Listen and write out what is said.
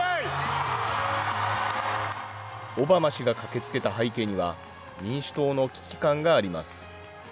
オバマ氏が駆けつけた背景には、民主党の危機感があります。